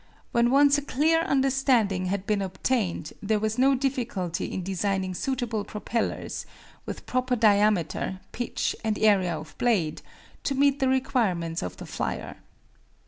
When once a clear understanding had been obtained there was no difficulty in designing suitable propellers, with proper diameter, pitch, and area of blade, to meet the requirements of the flyer.